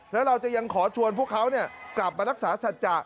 แล้วเราจะยังขอชวนพวกเขากลับมารักษาสัจจะ